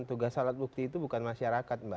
tugas alat bukti itu bukan masyarakat mbak